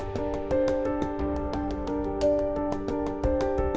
bad captain daimirk